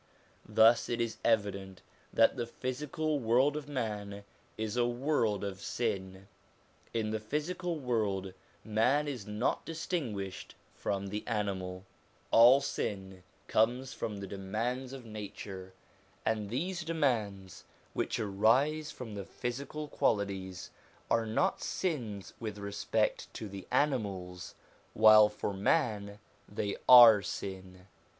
Thus it is evident that the physical world of man is a world of sin. In this physical world man is not distinguished from the animal All sin comes from the demands of nature, and these demands, which arise from the physical qualities, are not sins with respect to the animals, while for man they are sin.